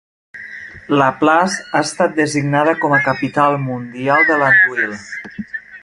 LaPlace ha estat designada com a capital mundial de l'andouille.